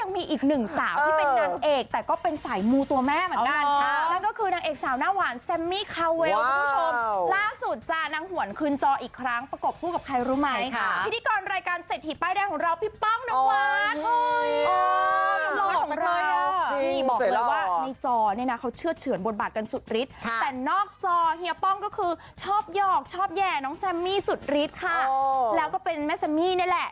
มงแล้วก็ยังมีอีกหนึ่งสาวที่เป็นนังเอกแต่ก็เป็นสายมูตัวแหม่เหมือนกันค่ะ